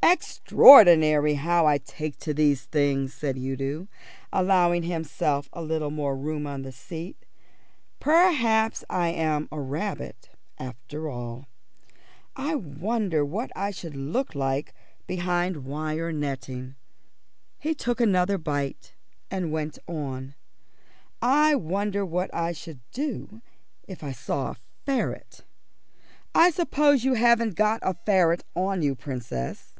"Extraordinary how I take to these things," said Udo, allowing himself a little more room on the seat. "Perhaps I am a rabbit after all. I wonder what I should look like behind wire netting." He took another bite and went on, "I wonder what I should do if I saw a ferret. I suppose you haven't got a ferret on you, Princess?"